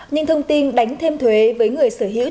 những thông tin đánh thêm thuế với người sở hữu